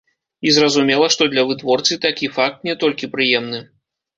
І зразумела, што для вытворцы такі факт не толькі прыемны.